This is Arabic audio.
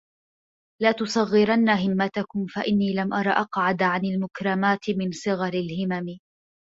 لَا تُصَغِّرَنَّ هِمَّتَكُمْ فَإِنِّي لَمْ أَرَ أَقْعَدَ عَنْ الْمَكْرُمَاتِ مِنْ صِغَرِ الْهِمَمِ